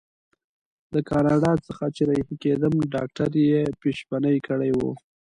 له کاناډا څخه چې رهي کېدم ډاکټر یې پېشبیني کړې وه.